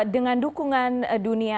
dengan dukungan dunia